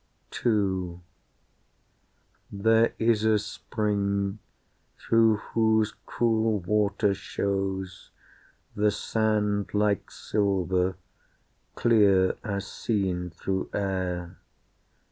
II There is a spring, through whose cool water shows The sand like silver, clear as seen through air.